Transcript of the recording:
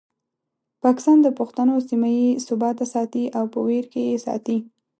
پاکستان د پښتنو سیمه بې ثباته ساتي او په ویر کې یې ساتي.